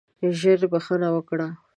ژر بخښنه وکړه.